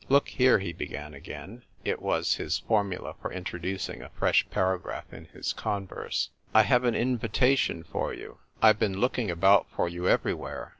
" Look here," he began again — it was his formula for introducing a fresh paragraph in his converse —" I've got an invitation for you. I've been looking about for you everywhere.